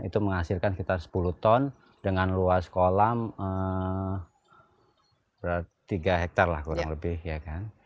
itu menghasilkan sekitar sepuluh ton dengan luas kolam berat tiga hektare lah kurang lebih ya kan